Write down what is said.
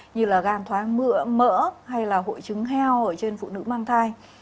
như là gan thoáng mỡ hay là hội trứng heo ở trên phụ nữ mang thai